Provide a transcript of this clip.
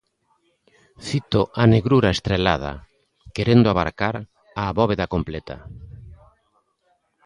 Fito a negrura estrelada querendo abarcar a bóveda completa.